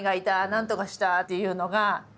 「何とかした？」っていうのが。